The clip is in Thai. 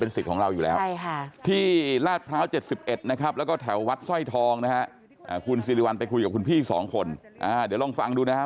เพราะคิดว่าจะทำให้บ้านเมืองอย่าให้น้ำท่วมบ่อย